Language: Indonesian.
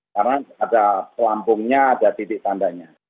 karena ada pelampungnya ada titik tandanya